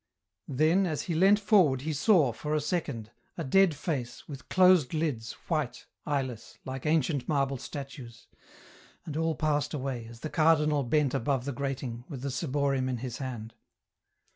Then as he leant forward he saw, for a second, a dead face, with closed lids, white, eyeless, like ancient marble statues. And all passed away, as the Cardinal bent above the grating, with the ciborium in his hand.